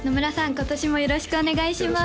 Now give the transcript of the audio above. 今年もよろしくお願いします